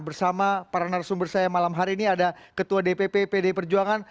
bersama para narasumber saya malam hari ini ada ketua dpp pdi perjuangan